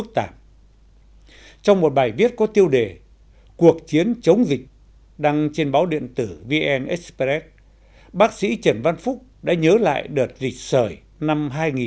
trong báo tiêu đề cuộc chiến chống dịch đăng trên báo điện tử vn express bác sĩ trần văn phúc đã nhớ lại đợt dịch sởi năm hai nghìn một mươi bốn